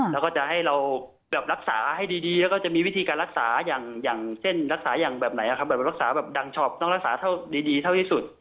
แล้วก็จะให้เรารักษาให้ดีแล้วก็จะมีวิธีการรักษาอย่างเช่นรักษาอย่างแบบไหนแบบรักษาแบบดังช็อปต้องรักษาเท่าดีเท่าที่สุด